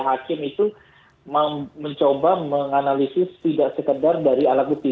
hakim itu mencoba menganalisis tidak sekedar dari alat bukti